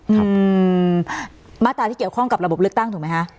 ครับมาตราที่เกี่ยวข้องกับระบบเลือกตั้งถูกไหมคะ